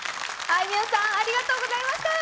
あいみょんさん、ありがとうございました。